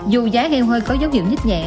dù giá heo hơi có dấu hiệu nhít nhẹ